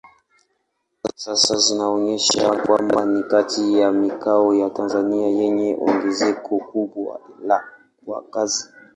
Sensa zinaonyesha kwamba ni kati ya mikoa ya Tanzania yenye ongezeko kubwa la wakazi.